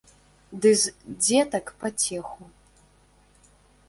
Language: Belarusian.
Ды з дзетак пацеху.